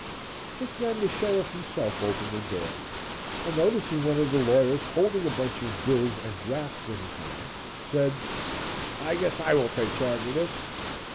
Just then the sheriff himself opened the door and, noticing one of the lawyers holding a bunch of bills and drafts in his hand, said: "I guess I will take charge of this."